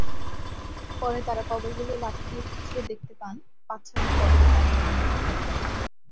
পরে তাঁরা কবরগুলো লাঠি দিয়ে খুঁচিয়ে দেখতে পান, পাঁচ-ছয়টি কবরে কঙ্কাল নেই।